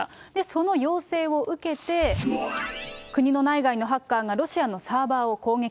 その要請を受けて、国の内外のハッカーがロシアのサーバーを攻撃。